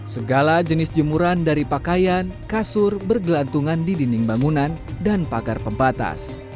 segala jenis jemuran dari pakaian kasur bergelantungan di dinding bangunan dan pagar pembatas